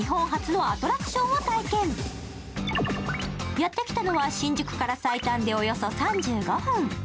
やってきたのは新宿から最短でおよそ３５分。